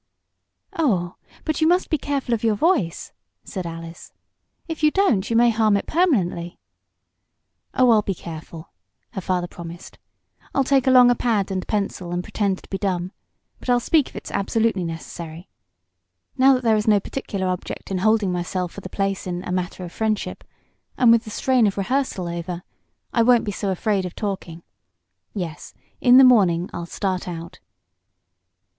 "Oh, but you must be careful of your voice," said Alice. "If you don't you may harm it permanently." "Oh I'll be careful," her father promised. "I'll take along a pad and pencil, and pretend to be dumb. But I'll speak if it's absolutely necessary. Now that there is no particular object in holding myself for the place in 'A Matter of Friendship,' and with the strain of rehearsal over, I won't be so afraid of talking. Yes, in the morning I'll start out."